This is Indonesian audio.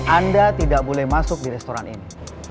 anda tidak boleh masuk di restoran ini